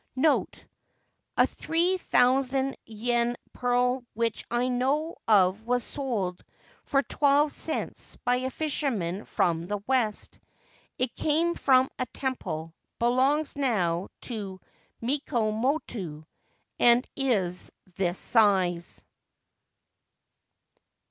NOTE. — A 3OOO yen pearl which I know of was sold for 12 cents by a fisherman from the west. It came from a temple, belongs now to Mikomoto, and is this size.